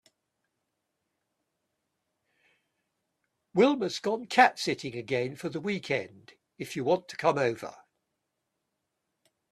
Wilma’s gone cat sitting again for the weekend if you want to come over.